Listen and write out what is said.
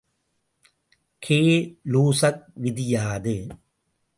K லூசக் விதி யாது?